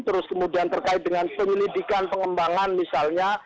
terus kemudian terkait dengan penyelidikan pengembangan misalnya